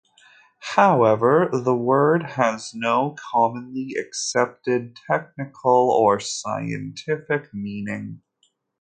However, the word has no commonly accepted technical or scientific meaning.